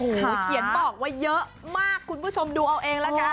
โอ้โหเขียนบอกว่าเยอะมากคุณผู้ชมดูเอาเองละกัน